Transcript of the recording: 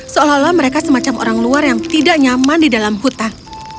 seolah olah mereka semacam orang luar yang tidak nyaman di dalam hutang